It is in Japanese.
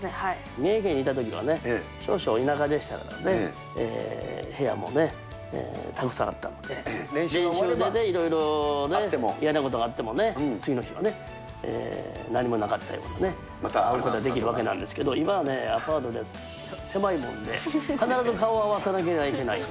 三重県にいたときはね、少々田舎でしたから、部屋もね、たくさんあったので、練習でいろいろね、嫌なことがあってもね、次の日はね、何もなかったようにね、会うことができるわけなんですけど、今はアパートで狭いもんで、必ず顔を合わさなければいけない。